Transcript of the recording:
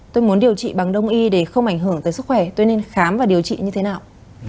tôi muốn điều trị bằng đông y để không ảnh hưởng tới sức khỏe tôi nên khám và điều trị như thế nào